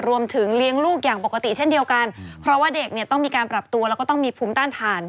เลี้ยงลูกอย่างปกติเช่นเดียวกันเพราะว่าเด็กเนี่ยต้องมีการปรับตัวแล้วก็ต้องมีภูมิต้านทาน